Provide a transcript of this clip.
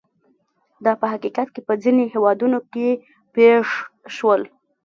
دا په حقیقت کې په ځینو هېوادونو کې پېښ شول.